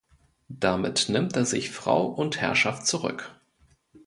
Damit nimmt er sich Frau und Herrschaft zurück.